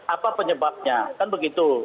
apa penyebabnya kan begitu